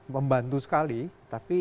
membantu sekali tapi